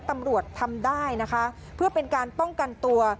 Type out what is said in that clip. ตำรวจทำได้นะคะเพื่อเป็นการป้องกันตัว